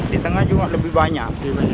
di tengah juga lebih banyak